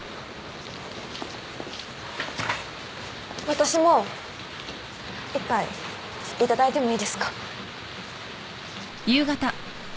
私も一杯頂いてもいいですか？